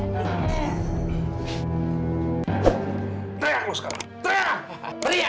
teriak lu sekarang teriak